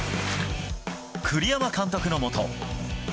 栗山監督のもと。